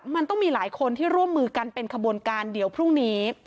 มันต้องมีหลายคนที่ร่วมมือกันเป็นขบวนการเดี๋ยวพรุ่งนี้